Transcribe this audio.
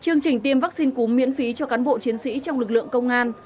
chương trình tiêm vaccine cúm miễn phí cho cán bộ chiến sĩ trong lực lượng công an